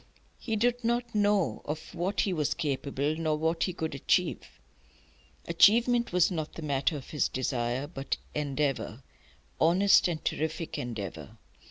He did not know of what he was capable, nor what he could achieve. Achievement was not the matter of his desire; but endeavour, honest and terrific endeavour.